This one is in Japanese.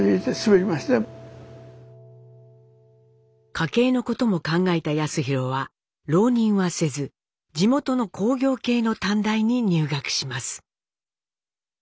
家計のことも考えた康宏は浪人はせず地元の工業系の短大に入学します。